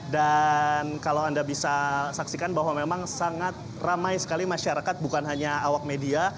dan kalau anda bisa saksikan bahwa memang sangat ramai sekali masyarakat bukan hanya awak media